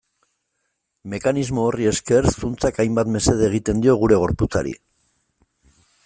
Mekanismo horri esker, zuntzak hainbat mesede egiten dio gure gorputzari.